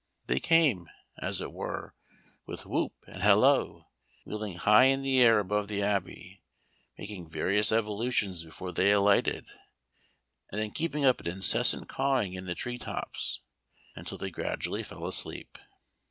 They came, as it were, with whoop and halloo, wheeling high in the air above the Abbey, making various evolutions before they alighted, and then keeping up an incessant cawing in the tree tops, until they gradually fell asleep.